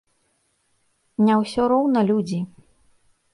Не ўсё роўна людзі?